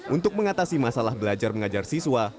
untuk mengatasi masalah belajar mengajar siswa